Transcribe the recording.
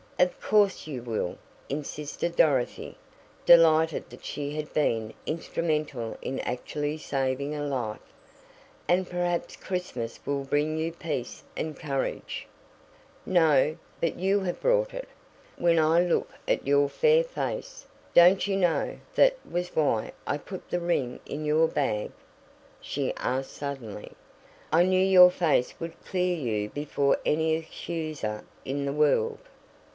"Of course you will," insisted Dorothy, delighted that she had been instrumental in actually saving a life. "And perhaps Christmas will bring you peace and courage." "No, but you have brought it. When I look at your fair face Don't you know, that was why I put the ring in your bag?" she asked suddenly. "I knew your face would clear you before any accuser in the world."